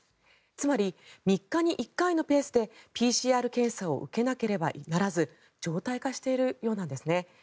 つまり、３日に１回のペースでＰＣＲ検査を受けなければならず常態化しているようなんですね。